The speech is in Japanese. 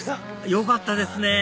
よかったですね